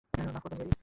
মাফ করবেন লেডিজ।